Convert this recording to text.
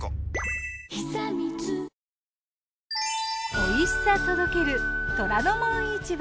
おいしさ届ける『虎ノ門市場』。